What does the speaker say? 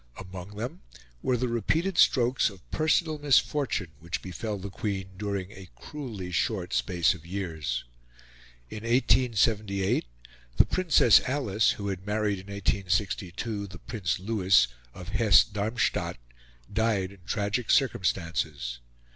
Among them were the repeated strokes of personal misfortune which befell the Queen during a cruelly short space of years. In 1878 the Princess Alice, who had married in 1862 the Prince Louis of Hesse Darmstadt, died in tragic circumstances.